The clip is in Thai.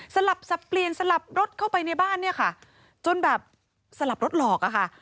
สลับสปลีนสลับรถเข้าไปในบ้านจนแบบสลับรถหลอก